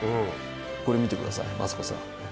これ見てくださいマツコさん